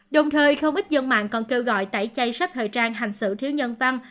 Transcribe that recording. đồng thời không ít dân mạng còn kêu gọi tẩy chay sắp thời trang hành xử thiếu nhân văn